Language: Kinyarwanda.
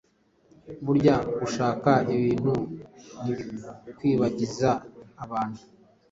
Burya gushaka ubintu ntibikwibagiza abantu